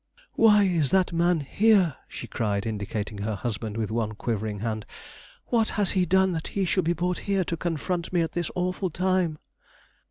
"Why is that man here?" she cried, indicating her husband with one quivering hand. "What has he done that he should be brought here to confront me at this awful time?"